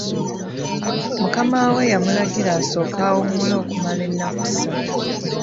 Mukama we yamulagira asooke awummule okumala ennaku ssatu.